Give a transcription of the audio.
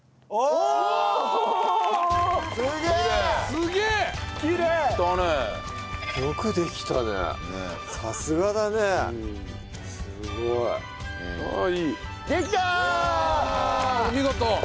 お見事！